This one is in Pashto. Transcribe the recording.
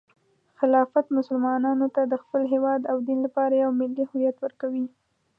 خلافت مسلمانانو ته د خپل هیواد او دین لپاره یو ملي هویت ورکوي.